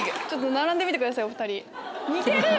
並んでみてくださいお２人。